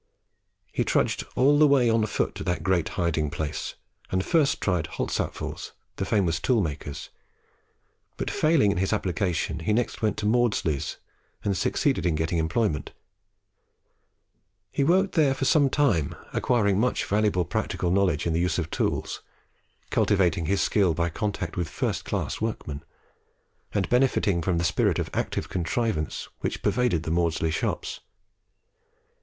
He trudged all the way on foot to that great hiding place, and first tried Holtzapffel's, the famous tool maker's, but failing in his application he next went to Maudslay's and succeeded in getting employment. He worked there for some time, acquiring much valuable practical knowledge in the use of tools, cultivating his skill by contact with first class workmen, and benefiting by the spirit of active contrivance which pervaded the Maudslay shops.